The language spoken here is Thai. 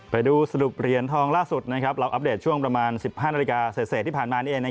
ไปดูสรุปเหรียญทองล่าสุดเราอัปเดตช่วงประมาณ๑๕นาฬิกาเศษที่ผ่านมานี้เอง